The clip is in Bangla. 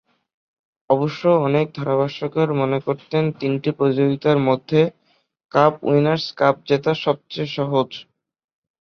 অবশ্য অনেক ধারাভাষ্যকার মনে করতেন তিনটি প্রতিযোগিতার মধ্যে কাপ উইনার্স কাপ জেতা সবচেয়ে সহজ।